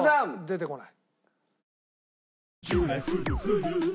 出てこない。